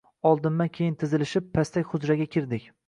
Oldinma-keyin tizilishib pastak hujraga kirdik.